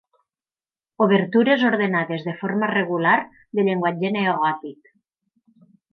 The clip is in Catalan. Obertures ordenades de forma regular, de llenguatge neogòtic.